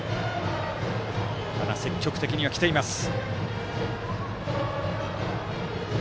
ただ、積極的には来ています。